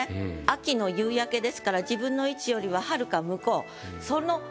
秋の夕焼けですから自分の位置よりははるか向こう。